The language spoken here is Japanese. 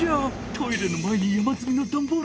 トイレの前に山づみのダンボールが！